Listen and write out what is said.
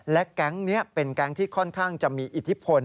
และแก๊งนี้เป็นแก๊งที่ค่อนข้างจะมีอิทธิพล